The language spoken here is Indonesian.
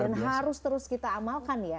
dan harus terus kita amalkan ya